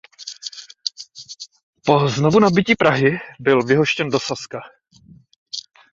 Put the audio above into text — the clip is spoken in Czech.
Po znovudobytí Prahy byl vyhoštěn do Saska.